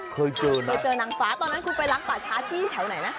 เคยเจอไหมเคยเจอนางฟ้าตอนนั้นคุณไปล้างป่าช้าที่แถวไหนนะ